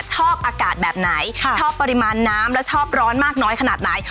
ชอบอากาศแบบไหนชอบปริมาณน้ำและชอบร้อนมากน้อยขนาดไหน